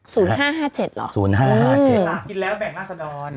ศูนย์ห้าห้าเจ็ดหรอศูนย์ห้าห้าเจ็ดอืมอืมน่ะกินแล้วแบ่งล่าสะดอน